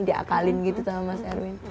diakalin gitu sama mas erwin